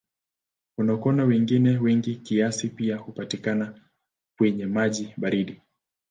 Konokono wengine wengi kiasi pia hupatikana kwenye maji baridi.